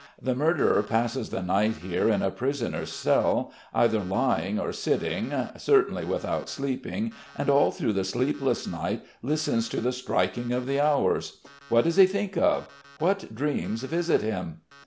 The murderer passes the night here in a prisoner's cell, either lying or sitting, certainly without sleeping and all through the sleepless night listens to the striking of the hours. What does he think of? What dreams visit him?"